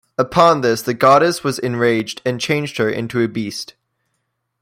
Upon this, the goddess was enraged and changed her into a beast.